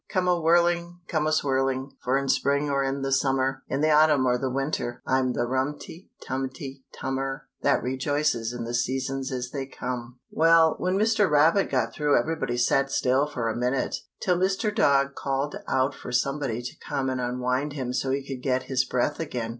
Come a whirling, come a swirling; For in spring or in the summer, In the autumn or the winter I'm the rumty, tumty, tummer That rejoices in the seasons as they come. Well, when Mr. Rabbit got through everybody sat still for a minute, till Mr. Dog called out for somebody to come and unwind him so he could get his breath again.